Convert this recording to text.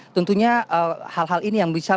tentunya hal hal ini yang bisa